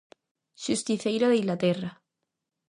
Xusticeiro de Inglaterra.